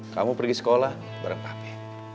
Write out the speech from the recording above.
kamu pergi sekolah bareng tapi